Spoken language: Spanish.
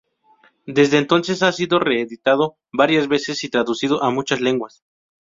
Desde entonces ha sido reeditado varias veces y traducido a muchas lenguas.